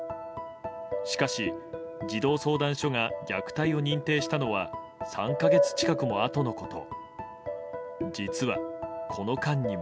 しかし、児童相談所が虐待を認定したのは３か月近くもあとのこと。